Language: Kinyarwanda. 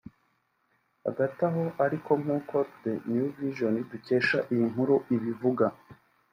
Hagati aho ariko nkuko The New Vision dukesha iyi nkuru ibivuga